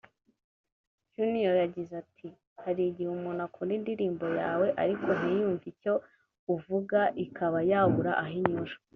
Juniro yagize ati “ Hari igihe umuntu akunda indirimbo yawe ariko ntiyumve icyo uvuga ikaba yabura aho inyura